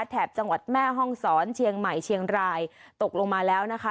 แถบจังหวัดแม่ห้องศรเชียงใหม่เชียงรายตกลงมาแล้วนะคะ